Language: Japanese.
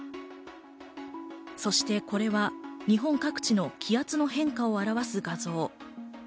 そしてこれは日本各地の気圧の変化を表す画像。